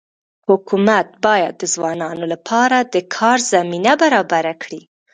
حکومت باید د ځوانانو لپاره د کار زمینه برابره کړي.